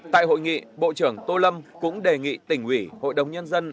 tại hội nghị bộ trưởng tô lâm cũng đề nghị tỉnh ủy hội đồng nhân dân